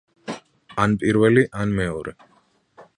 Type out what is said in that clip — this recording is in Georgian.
ან პირველი ან მეორე.